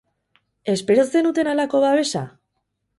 Espero zenuten halako babesa?